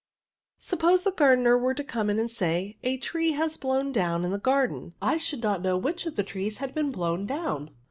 Suppose the gardener were to come in and say, ' A tree has been blown down in the garden^' I should £ ^8 ARTICLES. not know which of the trees had been blown down."